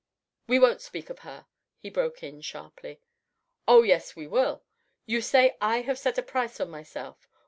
"We won't speak of her," he broke in, sharply. "Oh yes, we will You say I have set a price on myself.